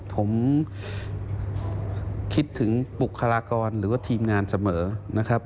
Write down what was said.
ผมคิดถึงบุคลากรหรือว่าทีมงานเสมอนะครับ